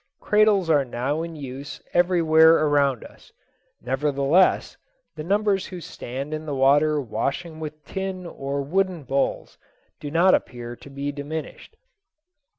Cradles are now in use everywhere around us; nevertheless, the numbers who stand in the water washing with tin or wooden bowls do not appear to be diminished.